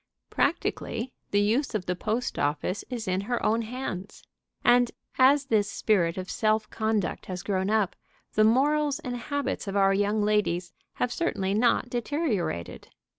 Practically the use of the post office is in her own hands. And, as this spirit of self conduct has grown up, the morals and habits of our young ladies have certainly not deteriorated.